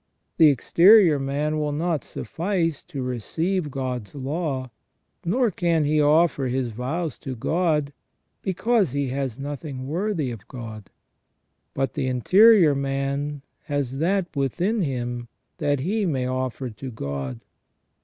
The exterior man will not suffice to receive God's law, nor can he offer his vows to God, because he has nothing worthy of God ; but the interior man has that within him that he may offer to God.